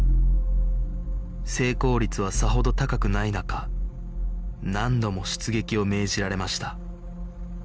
成功率はさほど高くない中何度も出撃を命じられました